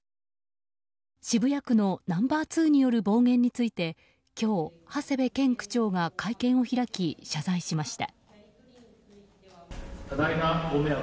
渋谷区のナンバー２による暴言について今日、長谷部健区長が会見を開き謝罪しました。